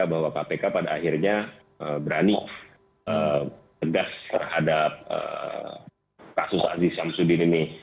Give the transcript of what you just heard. bahwa kpk pada akhirnya berani tegas terhadap kasus aziz syamsudin ini